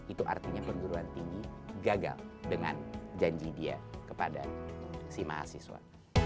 itu artinya perguruan tinggi gagal dengan janji dia kepada si mahasiswa